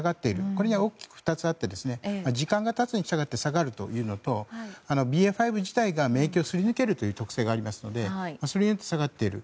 これには大きく２つあって時間が経つにつれて下がるというのとＢＡ．５自体が免疫をすり抜ける特性がありますのでそれによって下がっている。